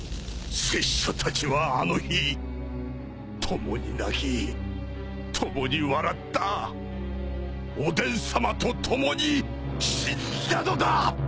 拙者たちはあの日共に泣き共に笑ったおでんさまと共に死んだのだ！